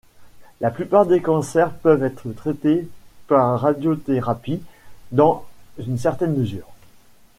La plupart des cancers peuvent être traités par radiothérapie dans une certaine mesure.